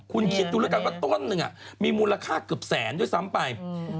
คุณคิดดูแล้วกันว่าต้นหนึ่งมีมูลค่าเกือบแสนด้วยซ้ำไป